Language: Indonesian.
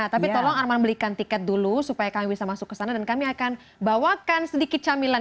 tapi tolong arman belikan tiket dulu supaya kami bisa masuk ke sana dan kami akan bawakan sedikit camilan